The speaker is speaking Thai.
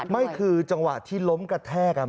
นี่คือจังหวะที่ล้มกระแทก